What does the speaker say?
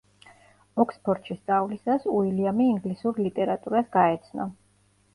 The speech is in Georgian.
ოქსფორდში სწავლისას უილიამი ინგლისურ ლიტერატურას გაეცნო.